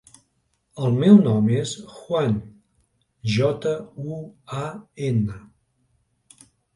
El meu nom és Juan: jota, u, a, ena.